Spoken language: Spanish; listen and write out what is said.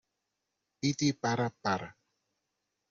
piti, para , para.